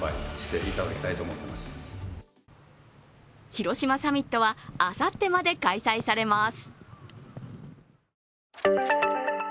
広島サミットはあさってまで開催されます。